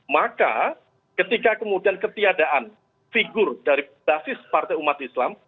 maka ketika kemudian ketiadaan figur dari basis partai umat islam